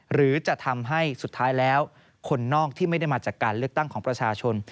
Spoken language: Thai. หรือจะทำให้สุดท้ายแล้วคนนอกที่ไม่ได้มาจากการเลือกตั้งของประชาชน